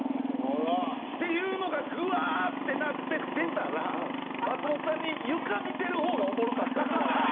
うわあ。っていうのがグワーってなって出たら松本さんに「床見てる方がおもろかった」って言われて。